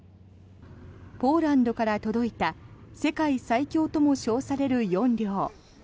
ポーランドから届いた世界最強とも称される４両。